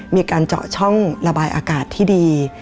มีการเจาะช่องระบายอากาศที่ดี